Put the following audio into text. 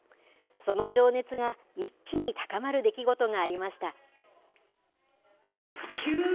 その情熱が一気に高まる出来事がありました。